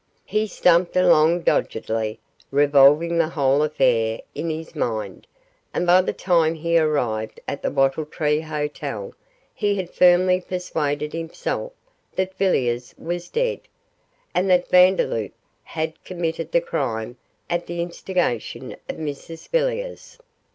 He stumped along doggedly, revolving the whole affair in his mind, and by the time he arrived at the Wattle Tree Hotel he had firmly persuaded himself that Villiers was dead, and that Vandeloup had committed the crime at the instigation of Mrs Villiers.